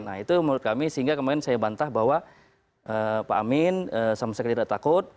nah itu menurut kami sehingga kemarin saya bantah bahwa pak amin sama sekali tidak takut